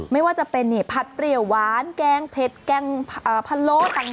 ไม่ว่าจะเป็นผัดเปรี้ยวหวานแกงเผ็ดแกงพะโล้ต่าง